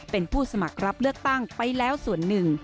เป็นผู้สมัครรับเลือกตั้งไปแล้วส่วนหนึ่ง